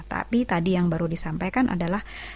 tapi tadi yang baru disampaikan adalah